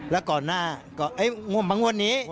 แล้วก่อนหน้างวดบางวันนี้